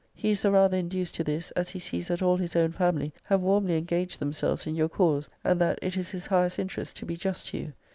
He is the rather induced to this, as he sees that all his own family have warmly engaged themselves in your cause: and that it is >>> his highest interest to be just to you.